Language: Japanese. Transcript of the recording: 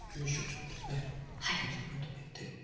こんな感じでまとめて。